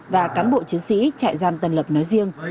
và cán bộ chiến sĩ trại giam tân lập nói riêng